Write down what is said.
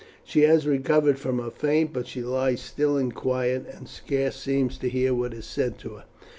She has recovered from her faint, but she lies still and quiet, and scarce seems to hear what is said to her.